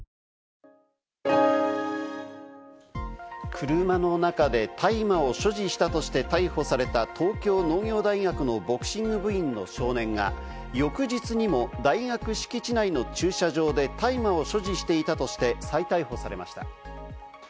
車の中で大麻を所持したとして逮捕された東京農業大学のボクシング部員の少年が，翌日にも大学敷地内の駐車場で大麻を所持していたとして再逮捕されました。